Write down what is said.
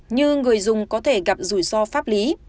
như người dùng có thể gặp rủi ro pháp lý